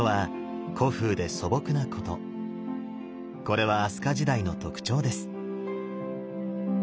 これは飛鳥時代の特徴です。